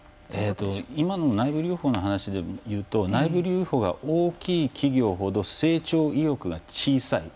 今の内部留保の話で言うと内部留保が大きい企業ほど成長意欲が小さい。